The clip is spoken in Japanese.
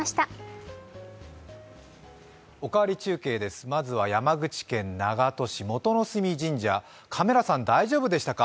「おかわり中継」です、まずは山口県長門市元乃隅神社、カメラさん、大丈夫でしたか？